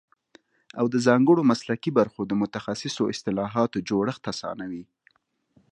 او د ځانګړو مسلکي برخو د متخصصو اصطلاحاتو جوړښت اسانوي